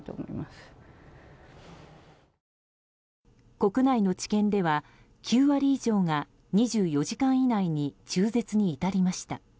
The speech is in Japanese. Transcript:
国内の治験では９割以上が２４時間以内に中絶に至りました。